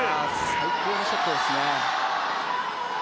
最高のショットですね。